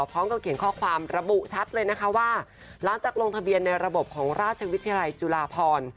พร้อมกับเขียนข้อความระบุชัดเลยนะคะว่าหลังจากลงทะเบียนในระบบของราชวิทยาลัยจุฬาพร